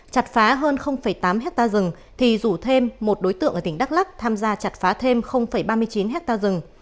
trần thanh kiếm đã thuê trần thanh kiếm chặt phá hơn tám hectare rừng thì rủ thêm một đối tượng ở tỉnh đắk lắk tham gia chặt phá thêm ba mươi chín hectare rừng